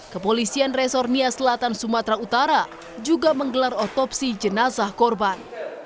kepolisian resornia selatan sumatera utara juga menggelar otopsi jenazah korban